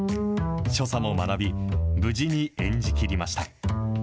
所作も学び、無事に演じきりました。